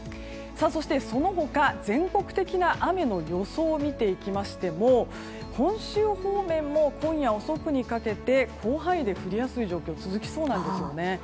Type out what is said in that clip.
そして、その他、全国的な雨の予想を見ていきましても本州方面も今夜遅くにかけて広範囲で降りやすい状況が続きそうなんですね。